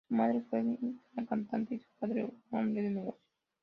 Su madre fue una cantante y su padre un hombre de negocios.